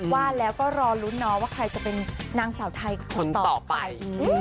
ว่าแล้วก็รอลุ้นนะว่าใครจะเป็นนางสาวไทยคนต่อไป